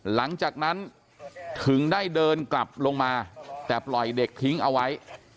หลังจากนั้นถึงได้เดินกลับลงมาแต่ปล่อยเด็กทิ้งเอาไว้